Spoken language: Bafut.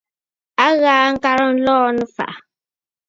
A ghaa ŋkarə nlɔɔ nɨ̂ ɨ̀fàʼà.